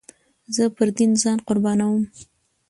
زه پر دين ځان قربانوم.